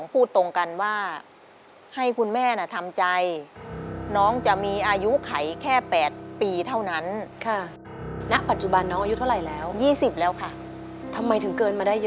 เพราะว่าทำงานหนักมาก